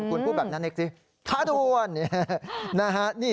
คุณพูดแบบน้านเนคสิทาดวน